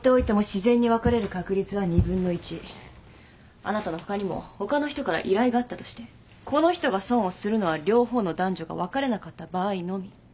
あなたの他にも他の人から依頼があったとしてこの人が損をするのは両方の男女が別れなかった場合のみ。